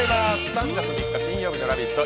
３月３日金曜日の「ラヴィット！」